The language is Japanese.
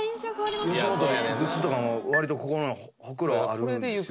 吉本のグッズとかも割とここのホクロあるんですよ